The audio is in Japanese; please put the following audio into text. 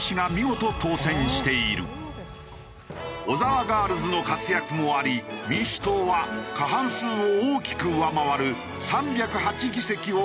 小沢ガールズの活躍もあり民主党は過半数を大きく上回る３０８議席を獲得。